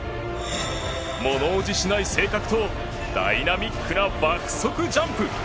物怖じしない性格とダイナミックな爆速ジャンプ。